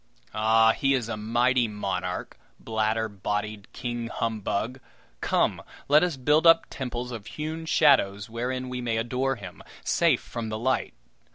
Ah! he is a mighty monarch, bladder bodied King Humbug! Come, let us build up temples of hewn shadows wherein we may adore him, safe from the light.